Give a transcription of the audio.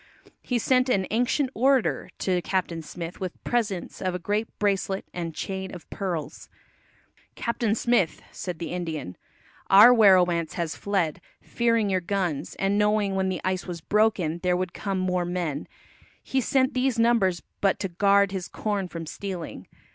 He sent an "ancient orator" to Captain Smith with presents of a great bracelet and chain of pearls. "Captain Smith," said the Indian, "our werowance has fled, fearing your guns, and knowing when the ice was broken there would come more men; he sent these numbers but to guard his corn from stealing.